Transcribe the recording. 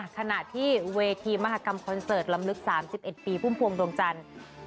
ขณะที่เวทีมหากรรมคอนเสิร์ตลำลึก๓๑ปีพุ่มพวงดวงจันทร์